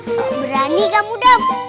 sok berani kamu dam